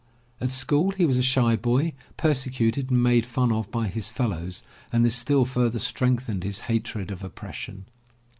At school he was a shy boy, persecuted and made fun of by his fellows, and this still further strengthened his hatred of oppression.